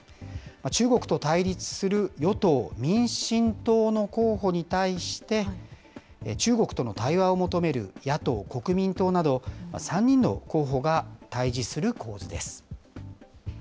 中国と対立する与党・民進党の候補に対して、中国との対話を求める野党・国民党など、３人の候補が対じする構図です。